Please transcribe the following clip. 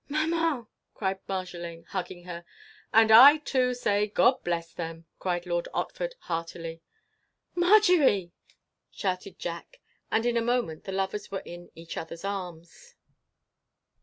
"Maman!" cried Marjolaine, hugging her. "And I, too, say God bless them!" cried Lord Otford, heartily. "Marjory!" shouted Jack; and in a moment the lovers were in each other's arms.